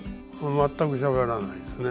全くしゃべらないですね。